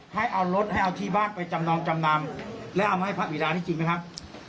ให้เอารถให้เอาที่บ้านไปจำนองจำนำและเอามาให้พระบิดานี่จริงไหมครับ